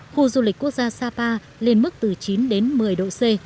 khu du lịch quốc gia sapa lên mức từ chín đến một mươi độ c